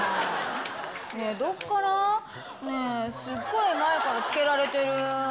ねぇ、どっから？ねぇ、すっごい前からつけられてる。